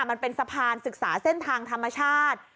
มันเป็นสะพานศึกษาเส้นทางธรรมชาติ